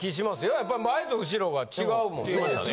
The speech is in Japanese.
やっぱ前と後ろが違うもんね。